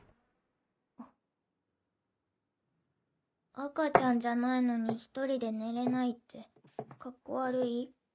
赤ちゃんじゃないのに一人で寝れないってカッコ悪い？